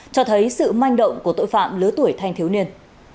cho thấy sự manh động của tội phạm lứa tuổi thanh thiếu niên